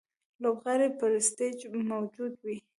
لوبغاړی پر سټېج موجود وي.